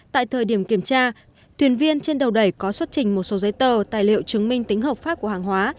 tại thời điểm kiểm tra thuyền viên trên đầu đẩy có xuất trình một số giấy tờ tài liệu chứng minh tính hợp pháp của hàng hóa